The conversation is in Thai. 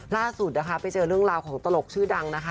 ล่าสุดนะคะไปเจอเรื่องราวของตลกชื่อดังนะคะ